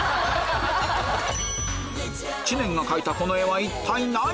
知念が描いたこの絵は一体何？